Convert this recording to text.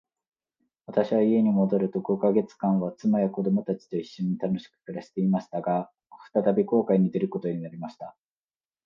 私は家に戻ると五ヵ月間は、妻や子供たちと一しょに楽しく暮していました。が、再び航海に出ることになりました。